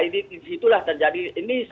di situlah terjadi